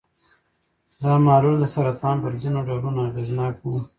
دا محلول د سرطان پر ځینو ډولونو اغېزناک و.